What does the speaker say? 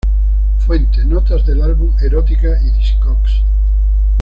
Fuentes: notas del álbum "Erotica" y Discogs.